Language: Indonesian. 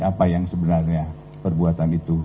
apa yang sebenarnya perbuatan itu